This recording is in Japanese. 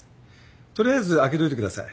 取りあえず空けといてください。